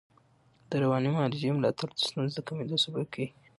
د رواني معالجې ملاتړ د ستونزو د کمېدو سبب کېږي.